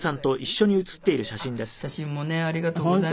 あっ写真もねありがとうございます。